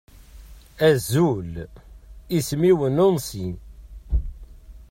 Azul, isem-iw Nancy.